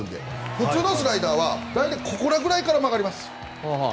普通のスライダーは大体、途中から曲がります。